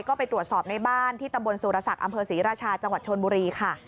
ก็ไปตรวจสอบในบ้านที่ตำบลสุรศักดิ์อำเภอศรีราชาจังหวัดชนบุรีค่ะ